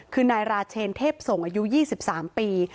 คือนายราเชนเทพส่งอายุ๒๓ปี